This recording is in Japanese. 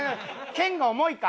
剣が重いか？